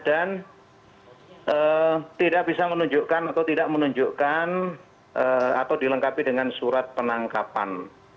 dan tidak bisa menunjukkan atau tidak menunjukkan atau dilengkapi dengan surat penangkapan